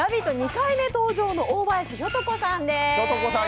２回目登場の大林ひょと子さんです